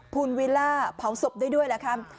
ภูลวิลล่าเผาศพได้ด้วยหรือคะ